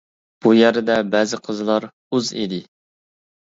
بۇ يەردە بەزى قىزلار ئۇز ئىدى.